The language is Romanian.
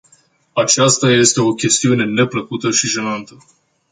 Aceasta este o chestiune neplăcută și jenantă.